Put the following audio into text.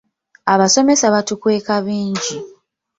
Abasomesa batukweka bingi.